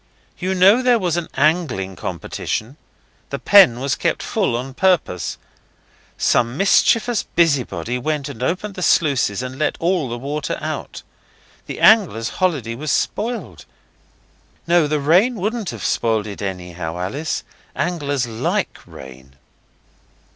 You know there was an angling competition. The pen was kept full on purpose. Some mischievous busybody went and opened the sluices and let all the water out. The anglers' holiday was spoiled. No, the rain wouldn't have spoiled it anyhow, Alice; anglers LIKE rain.